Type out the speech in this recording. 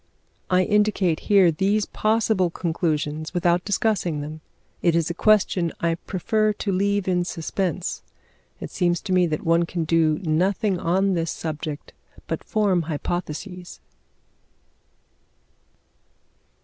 I indicate here these possible conclusions, without discussing them. It is a question I prefer to leave in suspense; it seems to me that one can do nothing on this subject but form hypotheses.